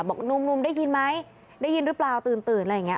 บอกหนุ่มได้ยินไหมได้ยินหรือเปล่าตื่นอะไรอย่างนี้